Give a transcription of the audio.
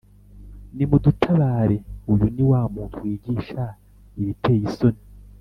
nimudutabare Uyu ni wa muntu wigisha ibiteye isoni